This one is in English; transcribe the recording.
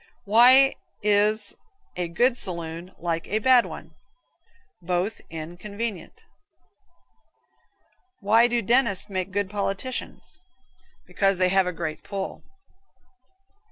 Why is a good saloon like a bad one? Both inn convenient Why do dentists make good politicians? Because they have a great pull.